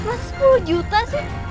mas sepuluh juta sih